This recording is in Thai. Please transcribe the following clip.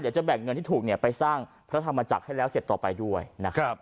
จะแบ่งเงินที่ถูกเนี่ยไปสร้างพระธรรมจักรให้แล้วเสร็จต่อไปด้วยนะครับ